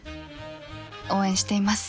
応援しています。